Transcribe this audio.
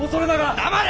黙れ！